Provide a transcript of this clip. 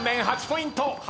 ８ポイント。